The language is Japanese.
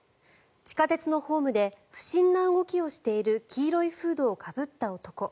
地下鉄のホームで不審な動きをしている黄色いフードをかぶった男。